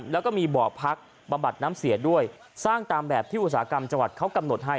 แล้วก็มีบ่อพักบำบัดน้ำเสียด้วยสร้างตามแบบที่อุตสาหกรรมจังหวัดเขากำหนดให้